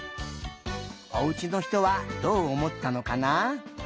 おうちのひとはどうおもったのかな？